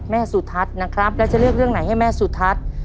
สุทัศน์นะครับแล้วจะเลือกเรื่องไหนให้แม่สุทัศน์